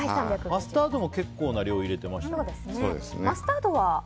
マスタードも結構な量入れてましたね。